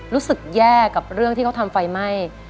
รู้สึกแย่กับเรื่องที่เขาทำไฟไหม้